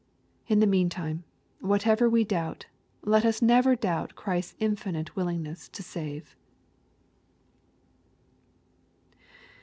In the meantime, whatever we doubt, let us never doubt Christ's infinite willingness to save.